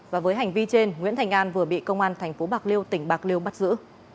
và với hành vi trên nguyễn thanh an vừa bị công an thành phố bạc liêu tỉnh bạc liêu bắt giữ